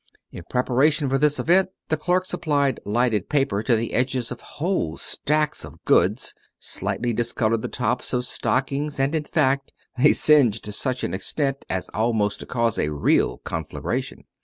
In preparing for this event, the clerks applied lighted paper to the edges of whole stacks of goods, slightly discolored the tops of stockings, and in fact, they singed to such an extent as almost to cause a real conflagration.